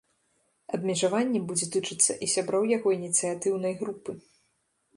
Абмежаванне будзе тычыцца і сябраў яго ініцыятыўнай групы.